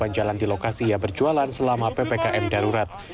jalan jalan di lokasi ia berjualan selama ppkm darurat